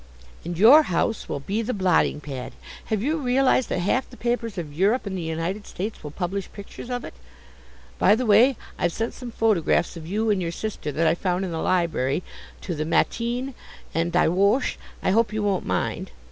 "And your house will be the blotting pad. Have you realized that half the papers of Europe and the United States will publish pictures of it? By the way, I've sent some photographs of you and your sister, that I found in the library, to the MATIN and DIE WOCHE; I hope you don't mind.